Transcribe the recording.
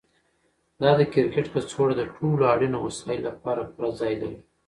دا د کرکټ کڅوړه د ټولو اړینو وسایلو لپاره پوره ځای لري.